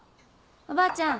おばあちゃん